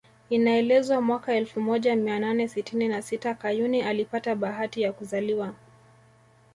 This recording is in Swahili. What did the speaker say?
Inaelezwa mwaka elfu moja mia nane sitini na sita Kayuni alipata bahati ya kuzaliwa